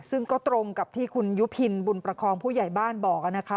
ซึ่งก็ตรงกับที่คุณยุพินบุญประคองผู้ใหญ่บ้านบอกนะคะ